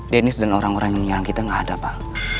dennis dan orang orang yang menyerang kita nggak ada pak